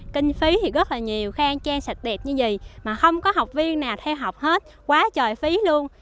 kinh phí thì rất là nhiều khang trang sạch đẹp như gì mà không có học viên nào theo học hết quá trời phí luôn